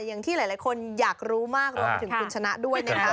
อย่างที่หลายคนอยากรู้มากแล้วถึงคุณชนะด้วย